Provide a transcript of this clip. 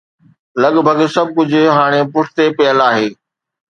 لڳ ڀڳ سڀ ڪجهه هاڻي پٺتي پيل آهي